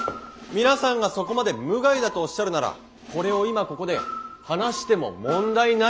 皆さんがそこまで無害だとおっしゃるならこれを今ここで放しても問題ないってことですね！？」。